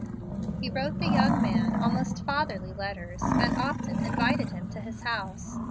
He wrote the young man almost fatherly letters, and often invited him to his house.